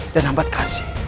dan hambat kasih